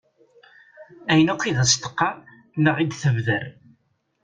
Ayen akk i as-teqqar neɣ i d-tebder.